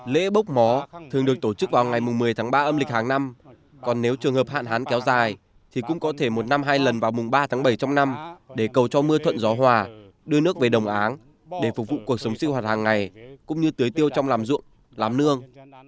lễ bốc mó thường được tổ chức vào ngày một mươi tháng ba âm lịch hàng năm còn nếu trường hợp hạn hán kéo dài thì cũng có thể một năm hai lần vào mùng ba tháng bảy trong năm để cầu cho mưa thuận gió hòa đưa nước về đồng áng để phục vụ cuộc sống sinh hoạt hàng ngày cũng như tưới tiêu trong làm ruộng làm nương